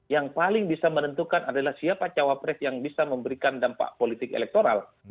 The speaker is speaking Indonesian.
yang paling bisa menentukan adalah siapa cawapres yang bisa memberikan dampak politik elektoral